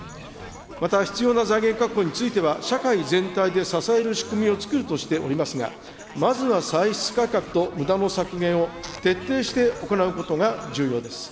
また必要な財源確保については、社会全体で支える仕組みをつくるとしておりますが、まずは歳出改革とむだの削減を徹底して行うことが重要です。